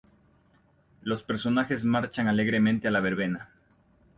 Los personajes marchan alegremente a la verbena.